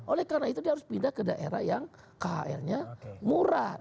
oleh karena itu dia harus pindah ke daerah yang khl nya murah